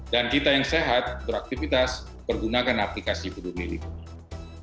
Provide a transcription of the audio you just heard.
dan kita yang sehat beraktivitas pergunakan aplikasi budu milik